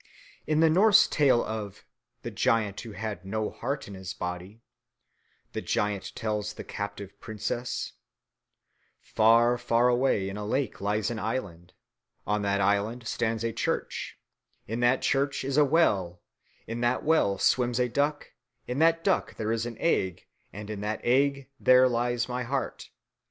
In the Norse tale of "the giant who had no heart in his body," the giant tells the captive princess, "Far, far away in a lake lies an island, on that island stands a church, in that church is a well, in that well swims a duck, in that duck there is an egg, and in that egg there lies my heart."